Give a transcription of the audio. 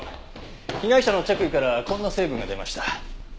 被害者の着衣からこんな成分が出ました。